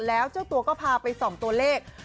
แล้วเจ้าตัวก็พาไปส่องตัวเลข